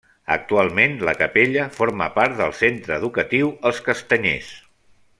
Actualment la capella forma part del Centre Educatiu Els Castanyers.